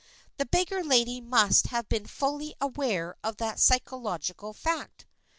The beggar lady must have been fully aware of that psychological fact."